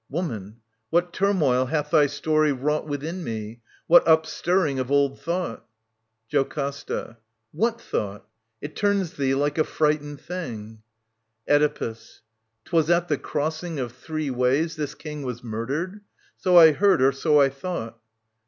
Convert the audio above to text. Woman, what turmoil hath thy story wrought Within me 1 What up stirring of old thought I JOCASTA. What thought ? It turns thee like a frightened thing. | Oedipus. *Twas at the crossing of three ways this King Was murdered ? So I heard or so I thought.